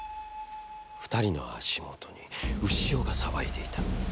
二人の足もとに、潮が騒いでいた。